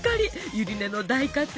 ゆり根の大活躍